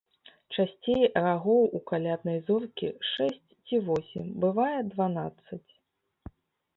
Часцей рагоў у каляднай зоркі шэсць ці восем, бывае дванаццаць.